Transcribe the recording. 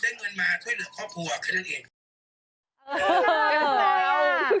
เงินมาช่วยเหลือครอบครัวแค่นั้นเอง